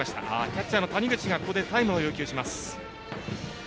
キャッチャーの谷口がタイムを要求しました。